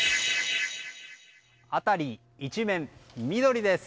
辺り一面、緑です！